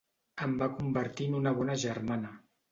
Em va convertir en una bona germana.